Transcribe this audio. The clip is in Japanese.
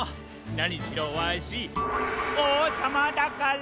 なにしろわしおうさまだから！